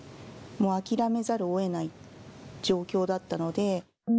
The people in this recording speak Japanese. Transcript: もう諦めざるをえない状況だったので。